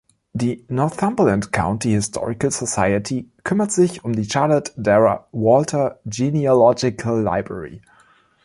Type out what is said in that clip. Die Northumberland County Historical Society kümmert sich um die Charlotte Darrah Walter Genealogical Library.